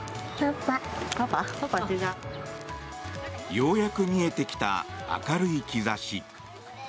ようやく見えてきた明るい兆し。